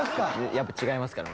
やっぱ違いますから。